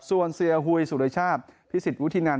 ส่วนเสียหุยสุรชาติพิสิทธิวุฒินัน